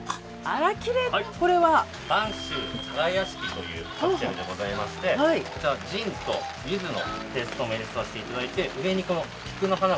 「播州皿屋敷」というカクテルでございましてこちらジンとゆずのペーストも入れさせていただいて菊ですね